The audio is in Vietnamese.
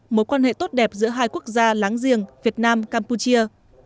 mối quan hệ tốt đẹp giữa hai quốc gia láng giềng việt nam campuchia